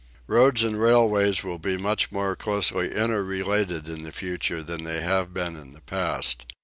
Roads and railways will be much more closely inter related in the future than they have been in the past.